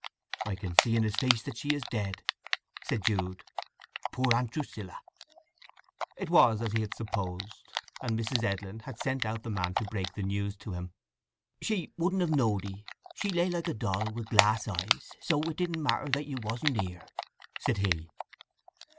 "I can see in his face that she is dead," said Jude. "Poor Aunt Drusilla!" It was as he had supposed, and Mrs. Edlin had sent out the man to break the news to him. "She wouldn't have knowed 'ee. She lay like a doll wi' glass eyes; so it didn't matter that you wasn't here," said he.